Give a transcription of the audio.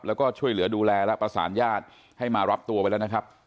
แล้วก็ช่วยเหลือดูแลและประสานญาติให้มารับตัวไปแล้วนะครับ